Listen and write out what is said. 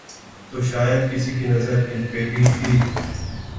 تو شاید کسی کی نظر ان پہ بھی تھی۔